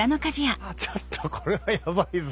ちょっとこれはヤバいぞ！